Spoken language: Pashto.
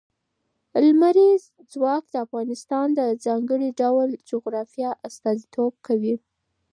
لمریز ځواک د افغانستان د ځانګړي ډول جغرافیه استازیتوب کوي.